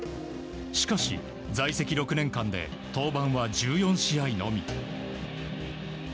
しかし在籍６年間で登板は１４試合のみ。